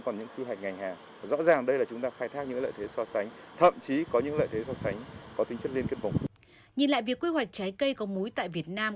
nhìn lại việc quy hoạch trái cây có múi tại việt nam